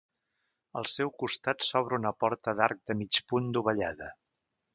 Al seu costat s'obre una porta d'arc de mig punt dovellada.